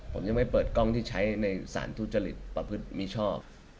ผมยังไม่เปิดกล้องที่ใช้ในสารทุจริตประพฤติมิชอบ